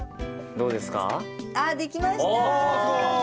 どうですか？